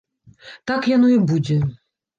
Так яно і будзе!